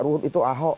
ruhut itu ahok